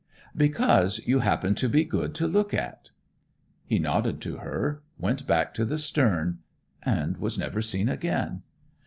'Because you happen to be good to look at.' He nodded to her, went back to the stern and was never seen again.